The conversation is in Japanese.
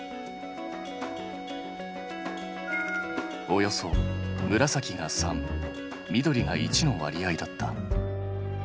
およそ紫が３緑が１の割合だった。